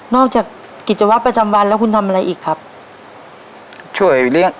จากกิจวัตรประจำวันแล้วคุณทำอะไรอีกครับช่วยเลี้ยง